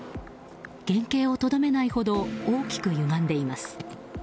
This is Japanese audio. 原形をとどめないほど大きくゆがんでいます。